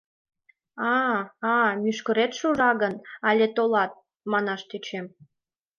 — А... а... мӱшкырет шужа гын, але толат, — манаш тӧчем.